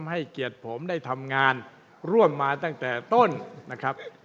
ให้เกียรติผมได้ทำงานร่วมมาตั้งแต่ต้นนะครับ